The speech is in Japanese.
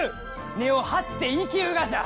根を張って生きるがじゃ！